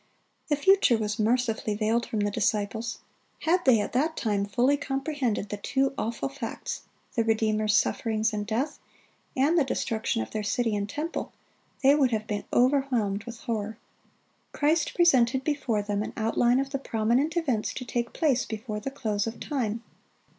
(31) The future was mercifully veiled from the disciples. Had they at that time fully comprehended the two awful facts,—the Redeemer's sufferings and death, and the destruction of their city and temple,—they would have been overwhelmed with horror. Christ presented before them an outline of the prominent events to take place before the close of time.